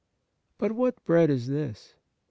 But what bread is this ?